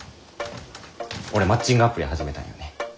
俺マッチングアプリ始めたんよね。